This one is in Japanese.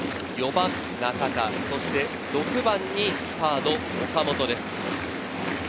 ４番・中田、６番にサード・岡本です。